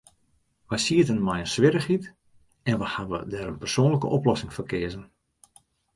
Wy sieten mei in swierrichheid, en wy hawwe dêr in persoanlike oplossing foar keazen.